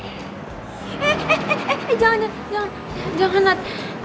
eh eh eh eh jangan jangan jangan jangan nat